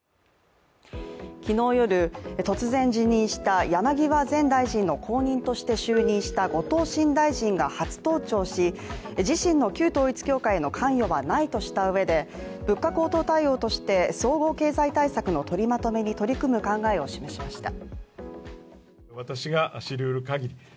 昨日夜、突然辞任した山際前大臣の後任として就任した後藤新大臣が初登庁し自身の旧統一教会への関与はないとしたうえで物価高騰対応として総合経済対策の取りまとめに取り組む考えを示しました。